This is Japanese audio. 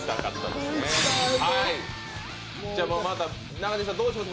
中西さん、どうします？